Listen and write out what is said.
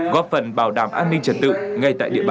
góp phần bảo đảm an ninh trật tự ngay tại địa bàn cơ sở